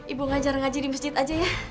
ibu ngajar ngaji di masjid aja ya